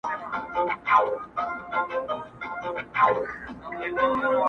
هغې بېگاه زما د غزل کتاب ته اور واچوه,